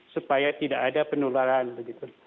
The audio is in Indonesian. supaya tidak ada penularan begitu